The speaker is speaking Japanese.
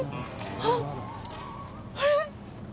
あっあれ！